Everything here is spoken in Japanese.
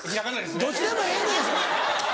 どっちでもええねんそれ！